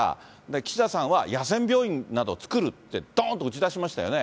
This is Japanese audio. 岸田さんは野戦病院などを作るって、どーんと打ち出しましたよね、